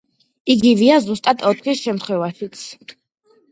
იგივეა ზუსტად ოთხის შემთხვევაშიც.